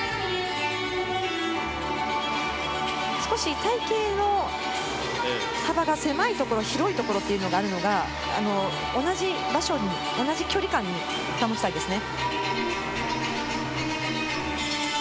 少し隊形の幅が狭いところ、広いところがあるのが同じ距離感に保ちたいですね。